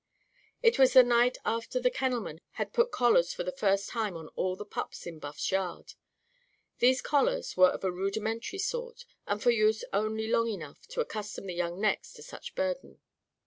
It was the night after the kennelman had put collars for the first time on all the pups in Buff's yard. These collars were of a rudimentary sort, and for use only long enough to accustom the young necks to such burden.